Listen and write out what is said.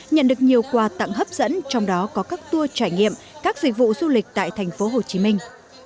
nhận được nhiều quà tặng hấp dẫn trong đó có các tour trải nghiệm các dịch vụ du lịch tại thành phố hồ chí minh